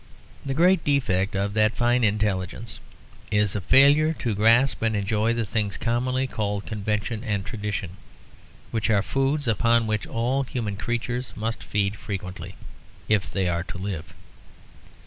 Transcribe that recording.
The great defect of that fine intelligence is a failure to grasp and enjoy the things commonly called convention and tradition; which are foods upon which all human creatures must feed frequently if they are to live.